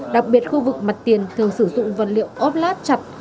đặc biệt khu vực mặt tiền thường sử dụng vật liệu ốp lát chặt